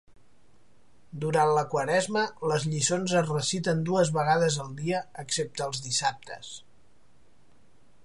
Durant la quaresma les lliçons es reciten dues vegades al dia excepte els dissabtes.